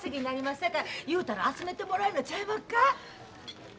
さかい言うたら集めてもらえんのちゃいまっか。